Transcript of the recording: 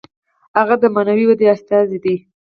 هغه د معنوي ودې استازی دی.